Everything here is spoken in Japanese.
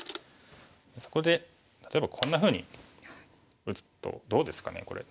そこで例えばこんなふうに打つとどうですかねこれ。